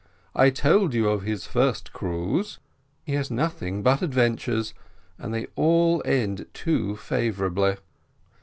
I told you of his first cruise. He has nothing but adventures, and they all end too favourably."